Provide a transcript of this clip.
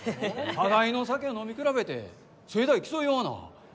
互いの酒を飲み比べてせえだい競い合わな。